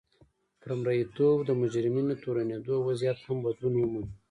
پر مریتوب د مجرمینو تورنېدو وضعیت هم بدلون وموند.